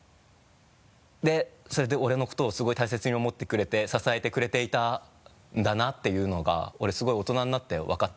でそれで俺のことをすごい大切に思ってくれて支えてくれていたんだなっていうのが俺すごい大人になって分かったんだよね。